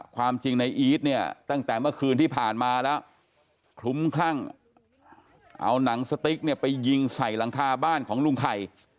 แล้วคลุ้มครั่งเอาหนังสติ๊กเนี่ยไปยิงใส่หลังคาบ้านของลุงไข่